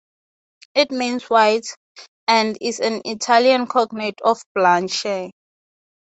It means "white" and is an Italian cognate of Blanche.